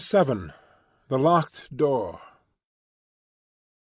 VII. THE LOCKED DOOR.